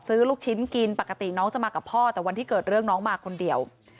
ลูกชิ้นกินปกติน้องจะมากับพ่อแต่วันที่เกิดเรื่องน้องมาคนเดียว